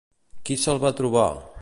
Qui se'l va trobar?